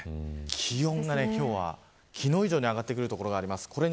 気温が今日は昨日以上に上がってくる所があります。